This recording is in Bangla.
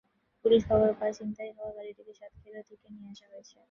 পুলিশ খবর পায়, ছিনতাই হওয়া গাড়িটিকে সাতক্ষীরার দিকে নিয়ে আসা হয়েছে।